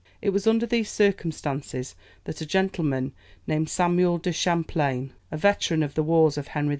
It was under these circumstances that a gentleman, named Samuel de Champlain, a veteran of the wars of Henry IV.